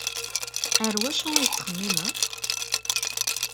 Ar wacu ay tettxemmimeḍ?